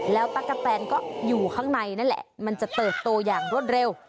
แล้วตั๊กกะแตนก็อยู่ข้างในนั่นแหละมันจะเติบโตอย่างรวดเร็ว